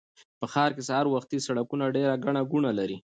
په ښار کې سهار وختي سړکونه ډېر ګڼه ګوڼه لري